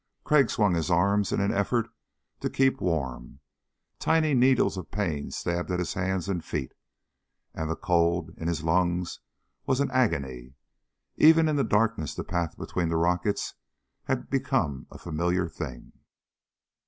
Crag swung his arms in an effort to keep warm. Tiny needles of pain stabbed at his hands and feet, and the cold in his lungs was an agony. Even in the darkness the path between the rockets had become a familiar thing.